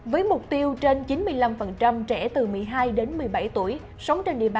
với mục tiêu trên chín mươi năm trẻ từ một mươi hai đến một mươi bảy tuổi